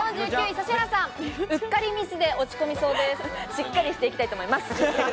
しっかりしていきたいと思います。